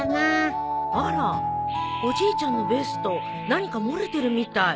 あらおじいちゃんのベスト何か漏れてるみたい。